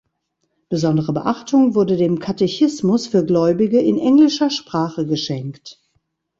Besondere Beachtung wurde dem Katechismus für Gläubige in englischer Sprache geschenkt.